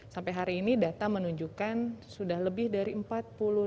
sampai hari ini data menunjukkan sudah lebih dari empat puluh